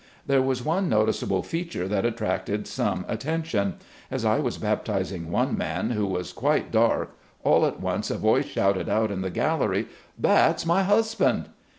There was one noticeable feature that attracted some attention. As I was baptizing one man, who was quite dark, all at once a voice shouted out in the gallery, "That's my husband."